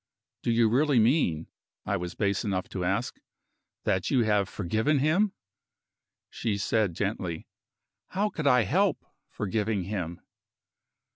"Do you really mean," I was base enough to ask, "that you have forgiven him?" She said, gently: "How could I help forgiving him?"